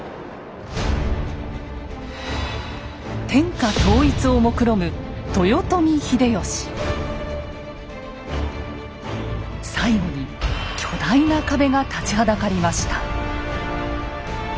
天下統一をもくろむ最後に巨大な壁が立ちはだかりました。